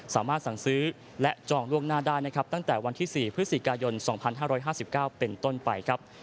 สามารถสั่งซื้อและจองล่วงหน้าได้นะครับตั้งแต่วันที่๔พฤศจิกายน๒๕๕๙เป็นต้นไปครับ